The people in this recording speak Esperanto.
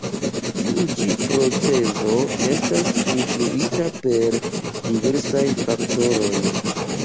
Tiu ĉi procezo estas influita per diversaj faktoroj.